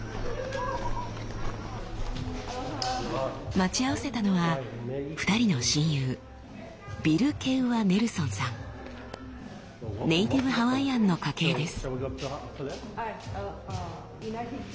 待ち合わせたのは２人の親友ネイティブハワイアンの家系です。